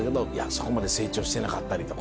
そこまで成長してなかったりとか。